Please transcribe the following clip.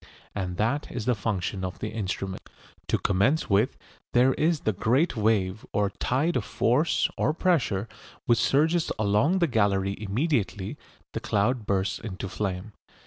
And that is the function of the instruments. To commence with, there is the great wave or tide of force or pressure which surges along the gallery immediately the cloud bursts into flame.